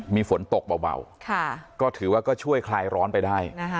มีฝนตกเบาก็ถือว่าก็ช่วยคลายร้อนไปได้